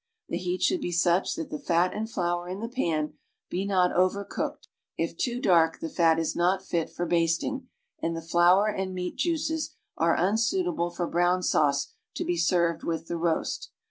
The heat should be such that the fat and flour in the pan bo not over cooked; if too dark, the fat is not fit for basting, and the flour and meat juices are unsuitatjle for broxxn sauce to be served with the roast.